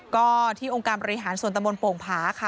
ก็ที่องค์การบริหารส่วนตะมนต์โป่งผาค่ะ